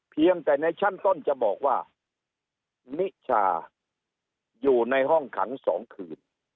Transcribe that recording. เพียงแต่ในชั้นต้นจะบอกว่านิชาอยู่ในห้องขัง๒คืน